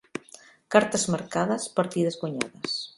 Cartes marcades, partides guanyades.